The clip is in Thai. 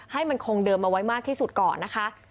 ให้มันคงเดิมเอาไว้มากที่สุดก่อนนะคะ